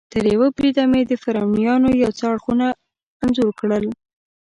تریوه بریده مې د فرعونیانو یو څه اړخونه انځور کړل.